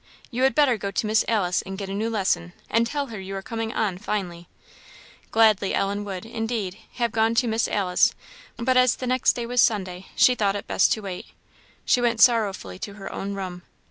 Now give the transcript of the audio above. You had better go to Miss Alice and get a new lesson, and tell her you are coming on finely." Gladly would Ellen, indeed, have gone to Miss Alice, but as the next day was Sunday, she thought it best to wait. She went sorrowfully to her own room.